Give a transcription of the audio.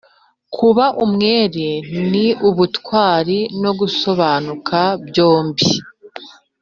kuba umwere ni ubutwari no gusobanuka byombi.